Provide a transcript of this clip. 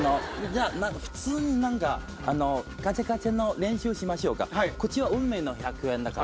普通にガチャガチャの練習しましょうか。こっちは運命の１００円だから。